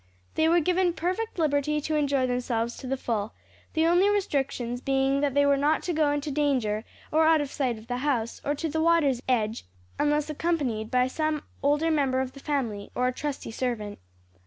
They were given perfect liberty to enjoy themselves to the full; the only restrictions being that they were not to go into danger, or out of sight of the house, or to the water's edge unless accompanied by some older member of the family or a trusty servant.